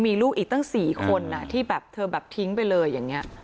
มีลูกอีกตั้ง๔คนที่แบบเธอแบบทิ้งไปเลยอย่างนี้